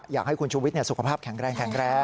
อยากให้คุณชูวิทย์เนี่ยสุขภาพแข็งแรง